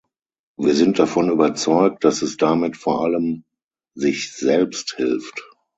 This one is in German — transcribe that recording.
Wir sind davon überzeugt, dass es damit vor allem sich selbst hilft.